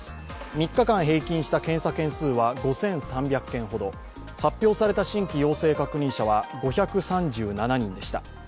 ３日間平均した検査件数は５３００件ほど発表された新規陽性者は５３７人でした。